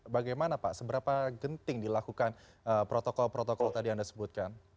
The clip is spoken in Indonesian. bagaimana pak seberapa genting dilakukan protokol protokol tadi anda sebutkan